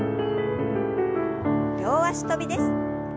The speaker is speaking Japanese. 両脚跳びです。